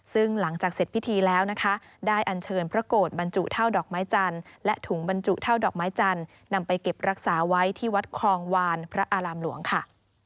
ซึ่งหลังจากเสร็จพิธีแล้วนะคะได้อันเชิญพระโกรธบรรจุเท่าดอกไม้จันทร์และถุงบรรจุเท่าดอกไม้จันทร์นำไปเก็บรักษาไว้ที่วัดคลองวานพระอารามหลวงค่ะ